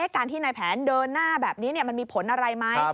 การที่นายแผนเดินหน้าแบบนี้มันมีผลอะไรไหม